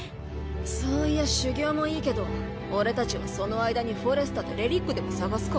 そういや修行もいいけど俺たちはその間にフォレスタで遺物でも探すか。